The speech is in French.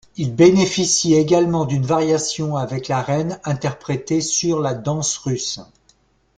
Il bénéficie également d'une variation avec la reine interprété sur la danse russe.